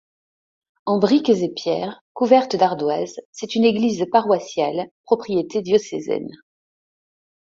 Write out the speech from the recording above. En briques et pierres, couverte d'ardoises, c'est une église paroissiale, propriété diocésaine.